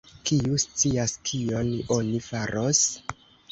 kiu scias, kion oni faros?